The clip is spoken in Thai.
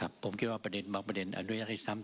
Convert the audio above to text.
ผมคิดว่าประเด็นอนุญาโภยยักษ์ให้ซ้ำ